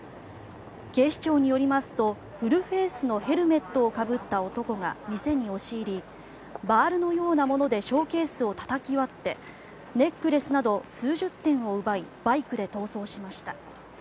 警視庁によりますとフルフェースのヘルメットをかぶった男が店に押し入りバールのようなものでショーケースをたたき割ってネックレスなど数十点を奪いバイクで逃走しました。